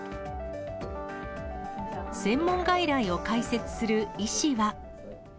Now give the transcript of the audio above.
専門外来を開設する医師は。